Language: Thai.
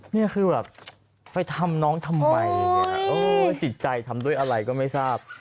นี่คือแบบไปทำน้องทำไมเนี่ยจิตใจทำด้วยอะไรก็ไม่ทราบ